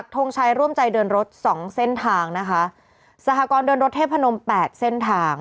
ทงชัยร่วมใจเดินรถสองเส้นทางนะคะสหกรณ์เดินรถเทพนมแปดเส้นทาง